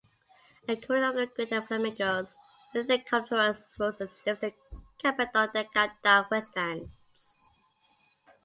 A community of greater flamingos ("Phoenicopterus roseus") lives in the Cabo de Gata wetlands.